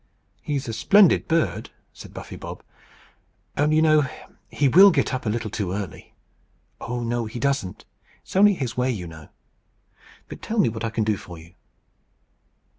"He's a splendid bird," said Buffy Bob; "only you know he will get up a little too early." "Oh, no! he doesn't. It's only his way, you know. But tell me what I can do for you."